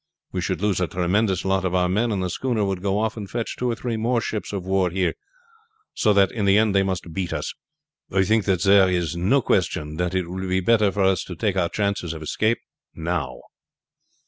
We should lose a tremendous lot of our men, and the schooner would go off and fetch two or three more ships of war here, so that in the end they must beat us. I think that there is no question that it will be better for us to take our chances of escape now."